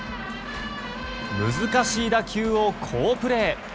難しい打球を好プレー！